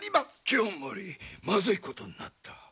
清盛まずいことになった。